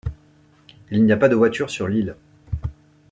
Il n'y a pas de voitures sur l'île.